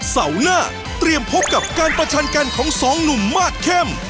เสาร์หน้าเตรียมพบกับการประชันกันของสองหนุ่มมาสเข้ม